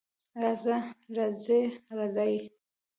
راځه، راځې، راځئ